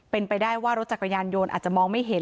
เป็นไปได้ว่ารถจักรยานยนต์อาจจะมองไม่เห็น